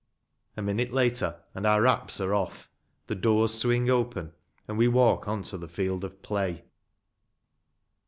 A minute later, and our wraps are off; the doors swing open, and we walk on to the field of play.